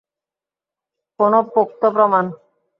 কোনো পোক্ত প্রমাণ?